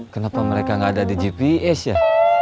kenapa mereka nggak ada di gps ya